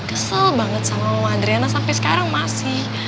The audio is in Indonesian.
kesel banget sama mama adriana sampai sekarang masih